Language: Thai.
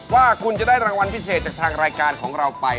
ว่าคุณจะได้รางวัลพิเศษจากทางรายการของเราไป